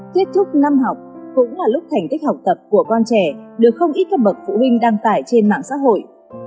kết thúc năm học cũng là lúc thành tích học tập của con trẻ được không ít các bậc phụ huynh đăng tải trên mạng xã hội